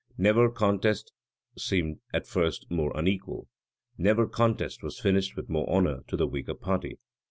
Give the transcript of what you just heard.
Never contest seemed, at first, more unequal; never contest was finished with more honor to the weaker party.